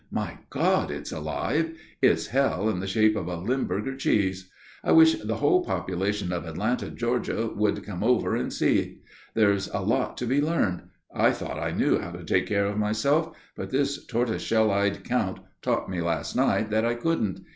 My God! It's alive. It's Hell in the shape of a Limburger cheese. I wish the whole population of Atlanta, Georgia, would come over and just see. There's a lot to be learned. I thought I knew how to take care of myself, but this tortoise shell eyed Count taught me last night that I couldn't.